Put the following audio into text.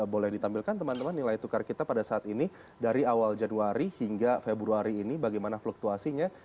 boleh ditampilkan teman teman nilai tukar kita pada saat ini dari awal januari hingga februari ini bagaimana fluktuasinya